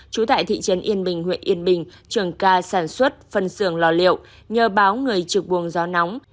trú tại thị trấn yên bình huyện yên bình trường ca sản xuất phân xưởng lò liệu nhờ báo người trực buồng gió nóng